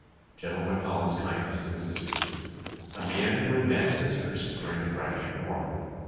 General McClellan's kindness to the Sisters. A man who had met Sisters during the Crimean war.